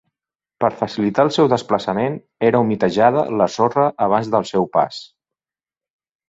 Per facilitar el seu desplaçament, era humitejada la sorra abans del seu pas.